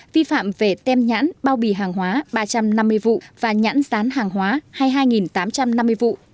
vi phạm về tem nhãn bao bì hàng hóa ba trăm năm mươi vụ và nhãn rán hàng hóa hai mươi hai tám trăm năm mươi vụ